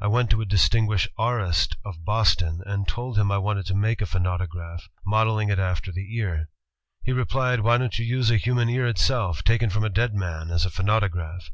"I went to a distinguished aurist of Boston, and told him I wanted to make a phonautograph, modeling it after the ear. He replied, 'Why don't you use a human ear itself, taken from a dead man, as a phonautograph?